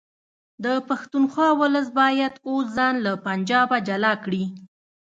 د پښتونخوا ولس باید اوس ځان له پنجابه جلا کړي